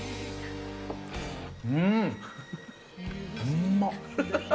うん、うま。